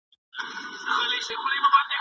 د قاضي په نصیحت کي ثمر نه وو